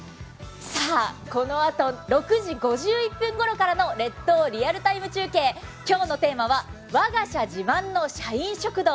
さあこのあと６時５１分ころからの「列島リアルＴＩＭＥ！中継」、今日のテーマは「我が社の自慢の社員食堂」。